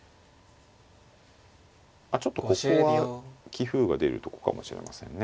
あっちょっとここは棋風が出るとこかもしれませんね。